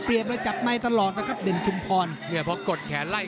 พี่เพิ่มไม่เห็นกลางบันใช่ไหม